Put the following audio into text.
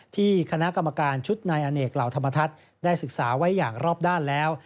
ที่คณะกรรมการชุดนายอเนกเหล่าธรรมทัศน์ได้ศึกษาไว้อย่างรอบด้านแล้ว